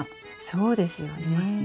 そうですよね。